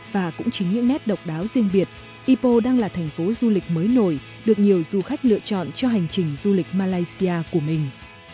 và cũng chính những nét độc đáo riêng biệt ipo đang là thành phố du lịch mới nổi được nhiều du khách lựa chọn cho hành trình du lịch malaysia của mình